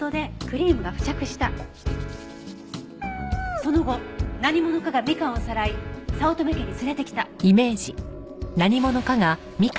その後何者かがみかんをさらい早乙女家に連れてきた。